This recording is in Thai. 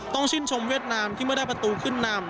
ต้องชื่นชมเวียดนามที่ไม่ได้ประตูขึ้นนำ